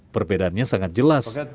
perbedaannya sangat jelas